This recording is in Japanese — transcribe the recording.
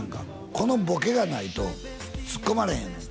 このボケがないとつっこまれへんねん